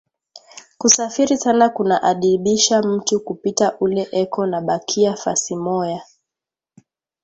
Kusafiri sana kuna adibisha mutu kupita ule eko nabakia fasi moya